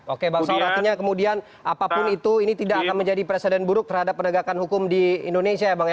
oke bang saur artinya kemudian apapun itu ini tidak akan menjadi presiden buruk terhadap penegakan hukum di indonesia ya bang ya